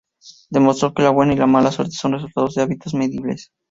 Demostró que la buena y mala suerte son resultado de hábitos medibles.